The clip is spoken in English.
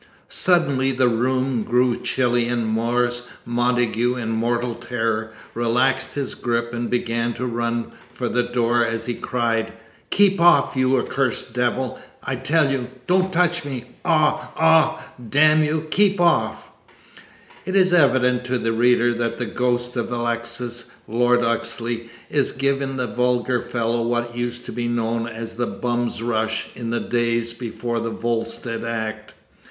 Suddenly the room grew chilly and Morris Montagu, in mortal terror, relaxed his grip and began to run for the door as he cried, "Keep off, you accursed devil, I tell you. Don't touch me. Ah! Ah! Damn you, keep off " It is evident to the reader that the ghost of Alexis, Lord Oxley, is giving the vulgar fellow what used to be known as "the bum's rush" in the days before the Volstead act.